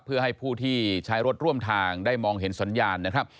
เพื่อให้ผู้ที่ใช้รถร่วมทางได้มองเห็นสัญญาณนะครับ